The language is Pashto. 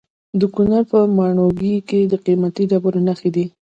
د کونړ په ماڼوګي کې د قیمتي ډبرو نښې دي.